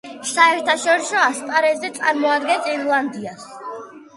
საერთაშორისო ასპარეზზე წარმოადგენს ირლანდიას.